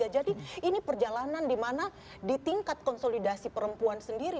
jadi ini perjalanan dimana di tingkat konsolidasi perempuan sendiri